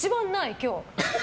今日。